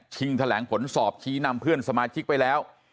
แถลงผลสอบชี้นำเพื่อนสมาชิกไปแล้ว